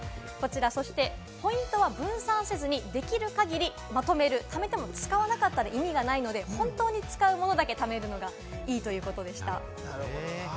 そしてポイントは分散せずにできる限りまとめる、貯めても使わなかったら意味がないので、本当に使うものだけ貯めるのがいいということでした。